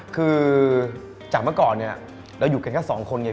เพราะฉะนั้นถ้าใครอยากทานเปรี้ยวเหมือนโป้แตก